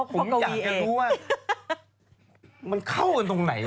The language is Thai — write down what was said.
ครอบคร้องไหน